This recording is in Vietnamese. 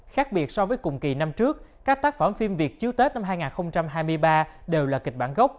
khác biệt so với cùng kỳ năm trước các tác phẩm phim việt chiếu tết năm hai nghìn hai mươi ba đều là kịch bản gốc